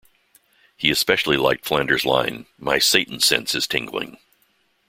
He especially liked Flanders' line My Satan sense is tingling.